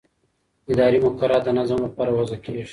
اداري مقررات د نظم لپاره وضع کېږي.